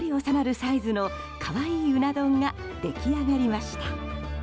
サイズの可愛いうな丼が出来上がりました。